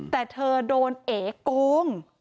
แต่เธอโดนเอ๋โกง